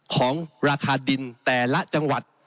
ของราคาดินแต่ละจังหวัด